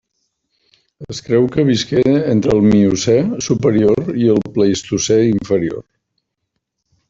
Es creu que visqué entre el Miocè superior i el Plistocè inferior.